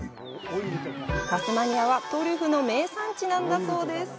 タスマニアはトリュフの名産地なんだそうです。